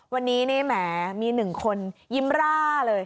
วันนี้นี่แหมมี๑คนยิ้มร่าเลย